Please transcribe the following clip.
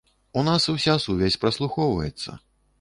У нас уся сувязь праслухоўваецца.